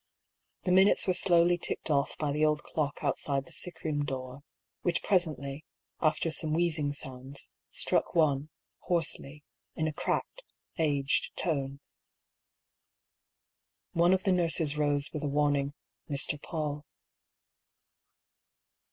The minutes were slowly ticked off by the old clock outside the sick room door, which presently, after some wheezing sounds, struck one, hoarsely, in a cracked, aged tone. One of the nurses rose with a warning " Mr. Paull."